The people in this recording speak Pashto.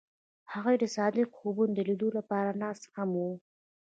هغوی د صادق خوبونو د لیدلو لپاره ناست هم وو.